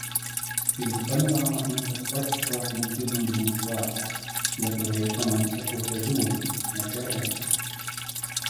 Rīta Panorāmā Guntars Račs velta mums uzmundrinošus vārdus. Gatavojos komandas sapulcei Zūm. Mēs gaidām.